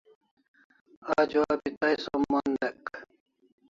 Ajo abi tai som mon dek